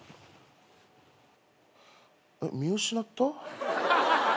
見失った？